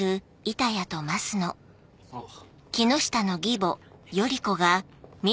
あっ。